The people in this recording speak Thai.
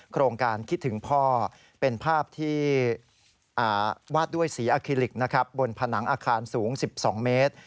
โครงการคิดถึงพ่อเป็นภาพที่วาดด้วยสีอาคิลิกบนผนังอาคารสูง๑๒เมตร